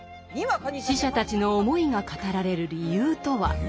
死者たちの思いが語られる理由とは。